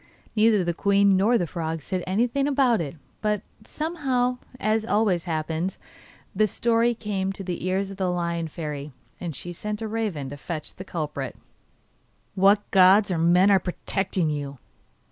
Neither the queen nor the frog said anything about it, but somehow, as always happens, the story came to the ears of the Lion Fairy, and she sent a raven to fetch the culprit. 'What gods or men are protecting you?